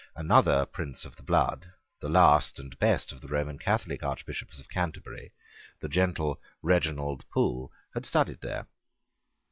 Another prince of the blood, the last and best of the Roman Catholic Archbishops of Canterbury, the gentle Reginald Pole, had studied there.